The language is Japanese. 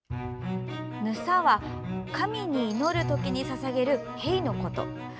「ぬさ」は神に祈る時にささげる「幣」のこと。